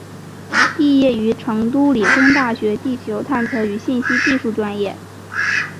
毕业于成都理工大学地球探测与信息技术专业。